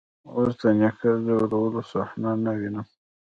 اوس د نيکه د ځورولو صحنه نه وينم.